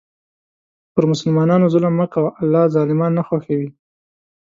پر مسلمانانو ظلم مه کوه، الله ظالمان نه خوښوي.